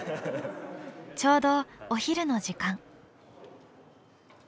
ちょうどお昼の時間。